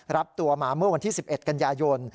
รับตัวมาเมื่อวันที่๑๑กันยายน